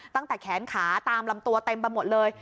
ตั้งแต่แขนขาตามลำตัวเต็มไปหมดเลย